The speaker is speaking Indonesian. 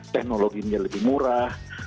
teknologinya lebih murah